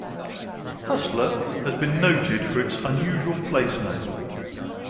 Hustler has been noted for its unusual place name.